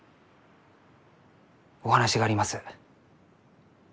お話があります。